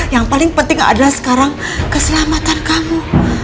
yang paling penting adalah sekarang keselamatan kamu